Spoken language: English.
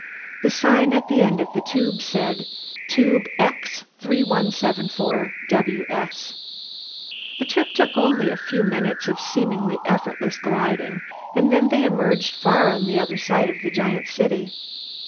The sign at the end of the tube said, Tube X#3174 WS. The trip took only a few minutes of seemingly effortless gliding, and then they emerged far on the other side of the giant city.